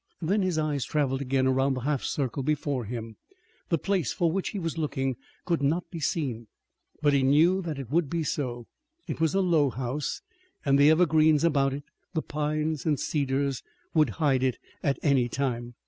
Then his eyes traveled again around the half circle before him. The place for which he was looking could not be seen. But he knew that it would be so. It was a low house, and the evergreens about it, the pines and cedars would hide it at any time.